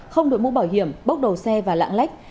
không đổi mũ bảo hiểm bốc đầu xe và lạng lách